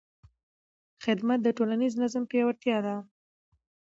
خدمت د ټولنیز نظم پیاوړتیا ده.